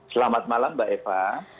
selamat malam mbak eva